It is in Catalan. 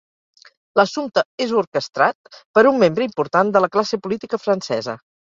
L'assumpte és orquestrat per un membre important de la classe política francesa.